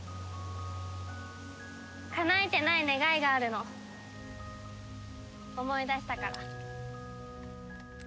かなえてない願いがあるの思い出したから。